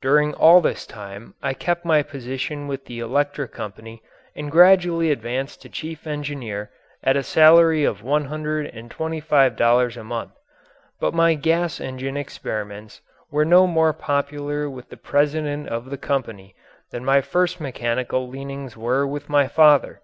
During all this time I kept my position with the electric company and gradually advanced to chief engineer at a salary of one hundred and twenty five dollars a month. But my gas engine experiments were no more popular with the president of the company than my first mechanical leanings were with my father.